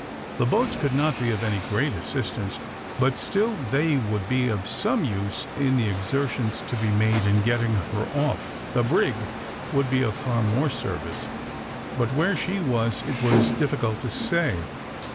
The boats could not be of any great assistance, but still they would be of some use in the exertions to be made in getting her off. The brig would be of far more service; but where she was, it was difficult to say.